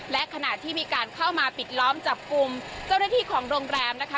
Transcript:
และขณะที่มีการเข้ามาปิดล้อมจับกลุ่มเจ้าหน้าที่ของโรงแรมนะคะ